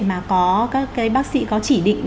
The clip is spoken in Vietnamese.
mà các bác sĩ có chỉ định